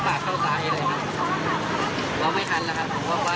พี่มีเพียรุ่นเก่งพริกที่ขับตามมา